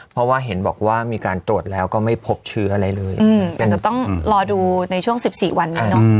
เพราะว่าเห็นบอกว่ามีการตรวจแล้วก็ไม่พบเชื้ออะไรเลยอาจจะต้องรอดูในช่วง๑๔วันนี้เนอะ